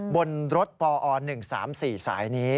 บนรถปอ๑๓๔สายนี้